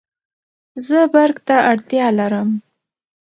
زه برق ته اړتیا لرم